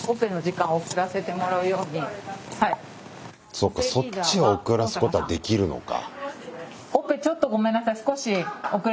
そっかそっちを遅らすことはできるのか。